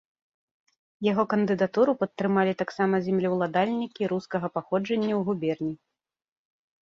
Яго кандыдатуру падтрымалі таксама землеўладальнікі рускага паходжання ў губерні.